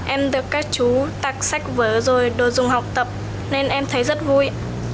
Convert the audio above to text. em được các chú tạc sách vở rồi đồ dùng học tập nên em thấy rất vui